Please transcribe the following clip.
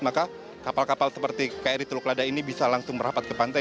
maka kapal kapal seperti kri teluk lada ini bisa langsung merapat ke pantai